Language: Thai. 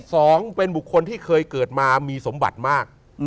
สองเป็นบุคคลที่เคยเกิดมามีสมบัติมาก